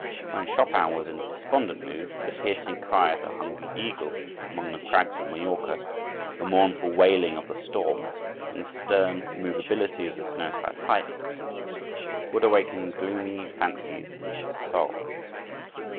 When Chopin was in a despondent mood, the piercing cry of the hungry eagle among the crags of Majorca, the mournful wailing of the storm, and the stern immovability of the snow clad heights, would awaken gloomy fancies in his soul.